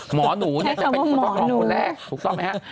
หมอหนูจะเป็นคนต้องรองคนแรกถูกต้องไหมครับ